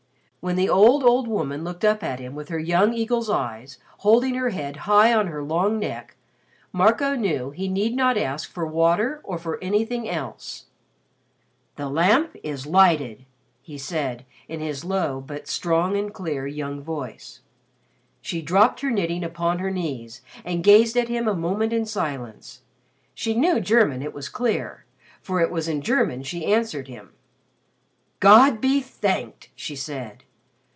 When the old, old woman looked up at him with her young eagle's eyes, holding her head high on her long neck, Marco knew he need not ask for water or for anything else. "The Lamp is lighted," he said, in his low but strong and clear young voice. She dropped her knitting upon her knees and gazed at him a moment in silence. She knew German it was clear, for it was in German she answered him. "God be thanked!" she said.